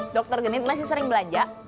dokter genit masih sering belanja